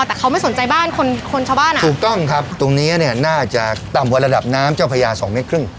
แต่เขาไม่สนใจบ้านคนคนชาวบ้านอ่ะถูกต้องครับตรงนี้เนี่ยน่าจะต่ำกว่าระดับน้ำเจ้าพญาสองเมตรครึ่ง